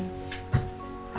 ibu mau duluan